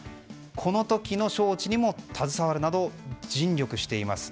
この時の招致にも携わるなど尽力しています。